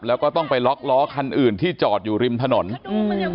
แล้วก็ต้องไปล็อกล้อคันอื่นที่จอดอยู่ริมถนนอืม